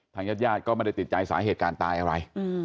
ญาติญาติก็ไม่ได้ติดใจสาเหตุการณ์ตายอะไร